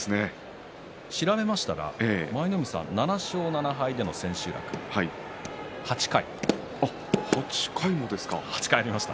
調べましたら舞の海さんは７勝７敗の千秋楽８回あります。